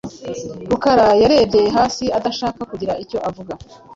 Rukara yarebye hasi, adashaka kugira icyo avuga.